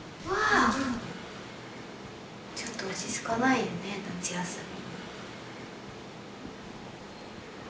ちょっと落ち着かないよね夏休み。